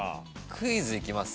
クイズいきます？